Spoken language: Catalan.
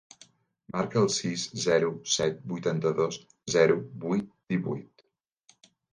Marca el sis, zero, set, vuitanta-dos, zero, vuit, divuit.